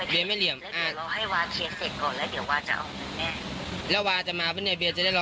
เบียร์เหลี่ยมไงวาคิดเร็วว่าเบียร์เหลี่ยม